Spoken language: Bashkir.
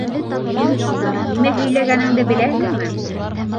Һин... нимә һөйләгәнеңде беләһеңме?!